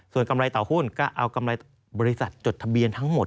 ส่วนกำไรต่อหุ้นก็เอากำไรบริษัทจดทะเบียนทั้งหมด